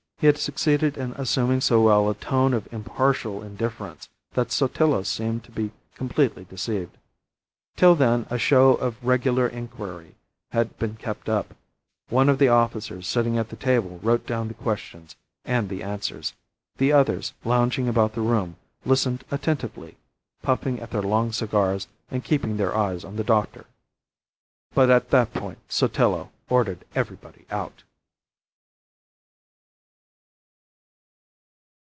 He had succeeded in assuming so well a tone of impartial indifference, that Sotillo seemed to be completely deceived. Till then a show of regular inquiry had been kept up; one of the officers sitting at the table wrote down the questions and the answers, the others, lounging about the room, listened attentively, puffing at their long cigars and keeping their eyes on the doctor. But at that point Sotillo ordered everybody out.